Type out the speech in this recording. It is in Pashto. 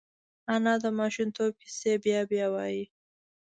انا د ماشومتوب کیسې بیا بیا وايي